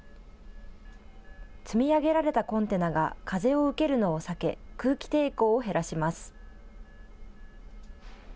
積み上げられたコンテナが風を受けるのを避け空気抵抗を減らします。